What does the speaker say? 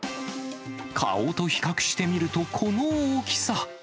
顔と比較してみると、この大きさ。